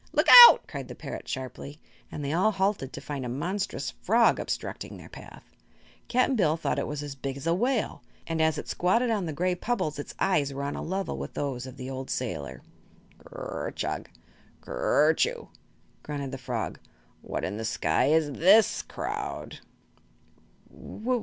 "Look out!" cried the parrot, sharply; and they all halted to find a monstrous frog obstructing their path. Cap'n Bill thought it was as big as a whale, and as it squatted on the gray pebbles its eyes were on a level with those of the old sailor. "Ker chug, ker choo!" grunted the frog; "what in the Sky is this crowd?"